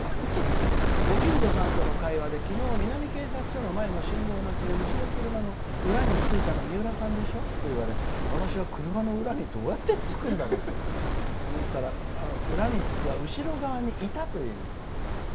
「ご近所さんとの会話で昨日、南警察署の前の信号待ちでうちの車の裏についたのみうらさんでしょ？と言われ私は車の裏にどうやってつくんだろうと思ったら裏につくというのは後ろ側にいたという意味」